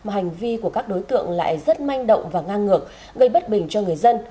hành vi của các đối tượng lại rất manh động và ngang ngược gây bất bình cho người dân